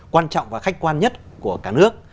quan trọng và khách quan nhất của cả nước